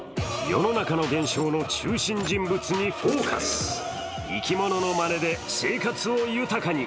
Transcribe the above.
世の中の現象の中心人物に「ＦＯＣＵＳ」生き物のまねで生活を豊かに。